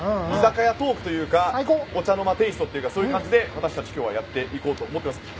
居酒屋トークというかお茶の間テイストというかそういう感じで私たち、今日はやっていこうと思っています。